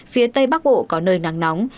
phía tây bắc bộ có nơi nắng nóng